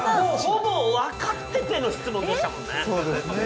◆ほぼ分かってての質問でしたもんね。